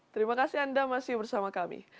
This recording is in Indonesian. terima kasih anda masih bersama kami